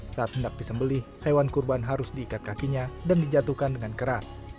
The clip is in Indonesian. saat mendak disembeli hewan kurban harus diikat kakinya dan dijatuhkan dengan keras